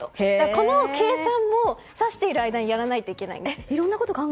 この計算も指している間にやらないといけないんです。